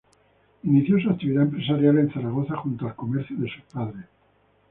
Inicio su actividad empresarial en Zaragoza junto al comercio de sus padres.